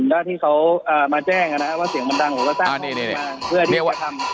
แล้วที่เขาอ่ามาแจ้งอ่ะนะครับว่าเสียงมันดังผมก็สร้างห้องมาเพื่อที่จะทำ